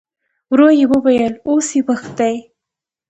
ورو يې وويل: اوس يې وخت دی.